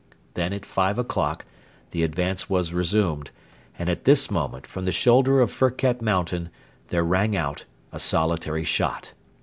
Then at five o'clock the advance was resumed, and at this moment from the shoulder of Firket mountain there rang out a solitary shot.